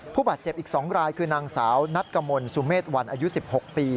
ผู้บาดเจ็บอีก๒รายคือนางสาวนัดกมลสุเมษวันอายุ๑๖ปี